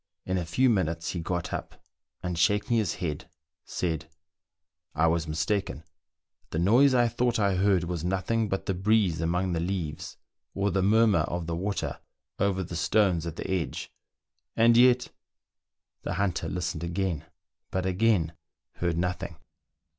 In a few minutes he got up, and shaking his head, said, —" I was mistaken ; the noise I thought I heard was nothing but the breeze among the leaves or the murmur of the water over the stones at the edge ; and yet " The hunter listened again, but again heard nothing.